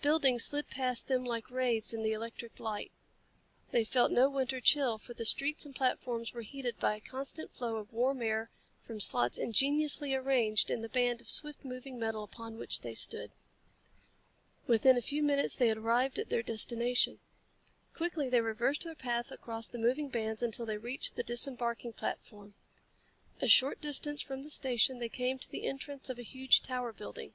Buildings slid past them like wraiths in the electric light. They felt no winter chill, for the streets and platforms were heated by a constant flow of warm air from slots ingeniously arranged in the band of swift moving metal upon which they stood. Within a few minutes they had arrived at their destination. Quickly they reversed their path across the moving bands until they reached the disembarking platform. A short distance from the station they came to the entrance of a huge tower building.